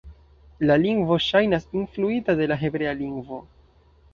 La lingvo ŝajnas influita de la hebrea lingvo.